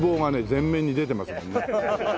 全面に出てますもんね。